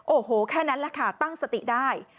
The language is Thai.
โอ้โหแค่นั้นแหละค่ะตั้งสติได้